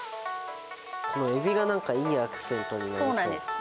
このエビがなんかいいアクセそうなんです。